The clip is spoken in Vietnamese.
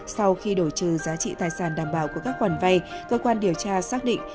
sau khi đổi trừ giá trị tài sản đảm bảo của các khoản vay cơ quan điều tra xác định